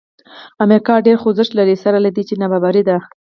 امریکا ډېر خوځښت لري سره له دې چې نابرابره ده.